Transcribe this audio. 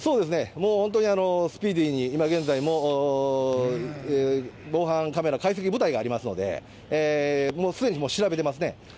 もう本当にスピーディーに今現在も防犯カメラ、解析部隊がありますので、もうすでに調べてますね。